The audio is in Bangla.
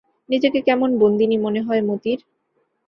নিজেকে কেমন বন্দিনী মনে হয় মতির।